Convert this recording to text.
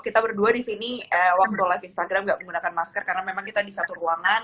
kita berdua di sini waktu live instagram nggak menggunakan masker karena memang kita di satu ruangan